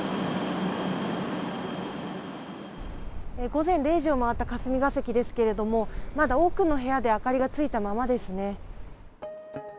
午前０時を回った霞が関ですけれども、まだ多くの部屋で明かりがついたままですね。